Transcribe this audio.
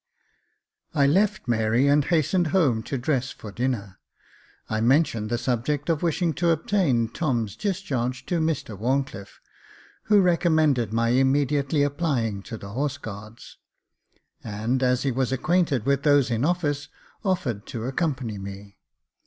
I LEFT Mary, and hastened home to dress for dinner. I mentioned the subject of wishing to obtain Tom's discharge to Mr Wharncliffe, who recommended my immediately applying to the Horse Guards ; and, as he was acquainted with those in office, offered to accompany me.